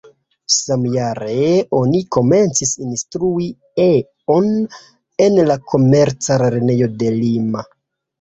Samjare oni komencis instrui E-on en la Komerca lernejo de Lima.